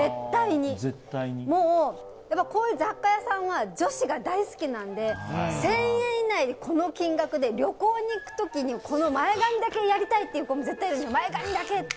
こういう雑貨屋さんは女子が大好きなんで１０００円以内でこの金額で旅行に行く時に前髪だけやりたいっていう子絶対いる、前髪だけって。